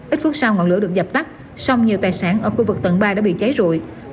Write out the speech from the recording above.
ít phút sau ngọn lửa được dập tắt song nhiều tài sản ở khu vực tầng ba đã bị cháy rụi